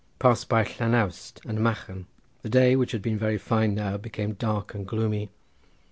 Passed by Llanawst and Machen. The day which had been very fine now became dark and gloomy.